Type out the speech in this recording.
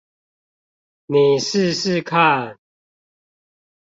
你試試看